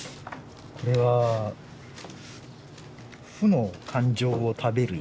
これは負の感情を食べる犬。